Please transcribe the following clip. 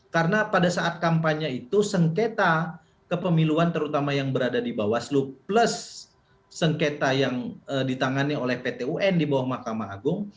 karena pada saat kampanye itu sengketa kepemiluan terutama yang berada di bawah sloop plus sengketa yang ditangani oleh pt un di bawah mahkamah agung